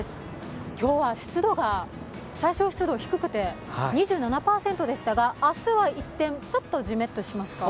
今日は最小湿度が低くて２７％でしたが明日は一転ちょっとじめっとしますか？